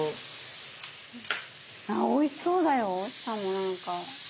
おいしそうだよしかもなんか。